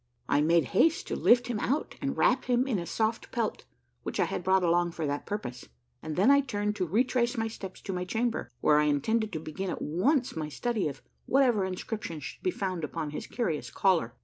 I made haste to lift him out and wrap him a soft pelt, which I had brought along for that purpose, and then I turned to retrace my steps to my chamber, where I intended to begin at once my study of whatever inscriptions should be found upon his curious collar.